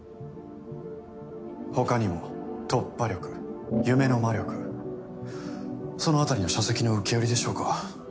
他にも「突破力」「夢の魔力」そのあたりの書籍の受け売りでしょうか。